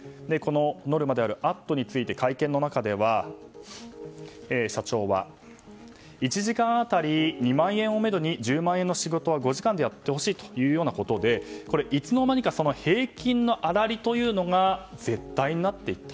ノルマである「＠」について会見の中では社長は１時間当たり２万円をめどに１０万円分の仕事は５時間でやってほしいということでいつの間にか平均の粗利というのが絶対になっていった。